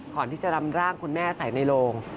ก่อนที่จะนำร่างคุณแม่ใส่ในโรง